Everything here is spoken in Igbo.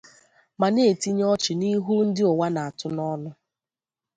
ma na-etinye ọchị n'ihu ndị ụwa na-atụ n'ọnụ